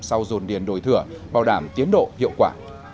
sau dồn điền đổi thửa bảo đảm tiến độ hiệu quả